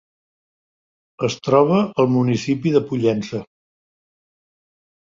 Es troba al municipi de Pollença.